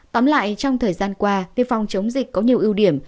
tóm lại trong thời gian qua việc phòng chống dịch có nhiều ưu điểm